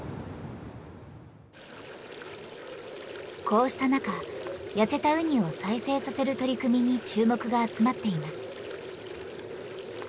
こうした中痩せたウニを再生させる取り組みに注目が集まっています。